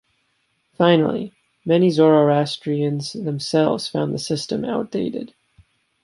Finally, many of the Zoroastrians themselves found the system outdated.